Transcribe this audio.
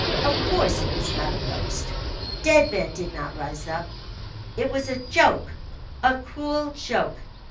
Of course it was not a ghost. Dead men did not rise up. It was a joke, a cruel joke.